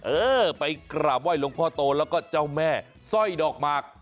เออไปกราบไห้หลวงพ่อโตแล้วก็เจ้าแม่สร้อยดอกหมาก